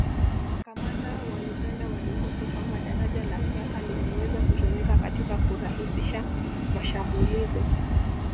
Makamanda wa Uganda walihofu kwamba Daraja la Kyaka lingeweza kutumika katika kurahisisha mashamulizi